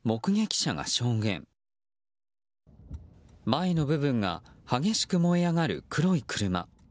前の部分が激しく燃え上がる黒い車。